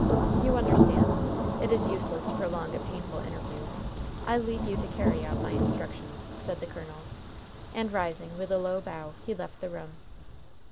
You understand. It is useless to prolong a painful interview. I leave you to carry out my instructions," said the colonel; and rising, with a low bow, he left the room.